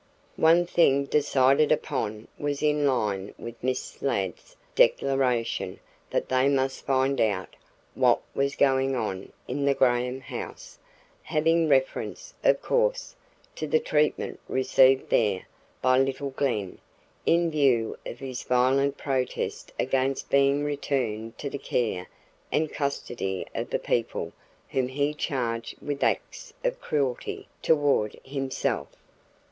One thing decided upon was in line with Miss Ladd's declaration that they must find out "what was going on in the Graham house," having reference, of course, to the treatment received there by little Glen in view of his violent protest against being returned to the care and custody of the people whom he charged with acts of cruelty toward himself.